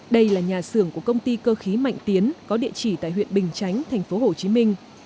đây là nhà xưởng của công ty cơ khí mạnh tiến có địa chỉ tại huyện bình chánh thành phố hồ chí minh